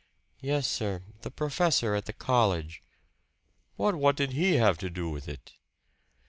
"Yes, sir the professor at the college." "But what did he have to do with it?"